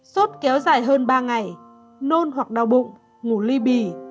sốt kéo dài hơn ba ngày nôn hoặc đau bụng ngủ ly bì